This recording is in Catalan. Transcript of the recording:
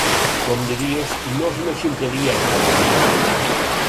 Com diries, no és una ximpleria de cap gros.